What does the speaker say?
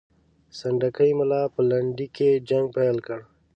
سنډکي ملا به په لنډکي کې جنګ پیل کړي.